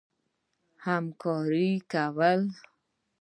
همکاري کوله.